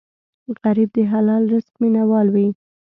غریب د حلال رزق مینه وال وي